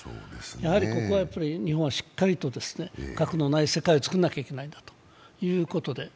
やはりここは日本はしっかりと核のない世界を作らなければならないということで。